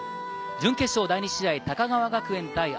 準決勝第２試合、高川学園対